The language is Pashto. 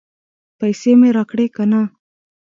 پیسې مې راکړې که نه؟